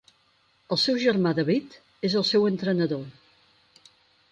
El seu germà David és el seu entrenador.